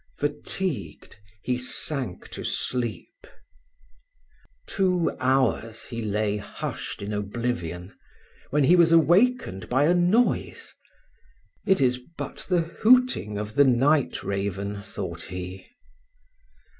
Fatigued, he sank to sleep. Two hours he lay hushed in oblivion, when he was awakened by a noise. It is but the hooting of the night raven, thought he.